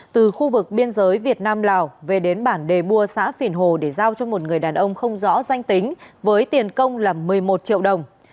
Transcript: từ khu vực biên giới việt nam lào về đến bản đề bua xã phìn hồ để giao cho một người đàn ông không rõ danh tính với tiền công là một mươi một triệu đồng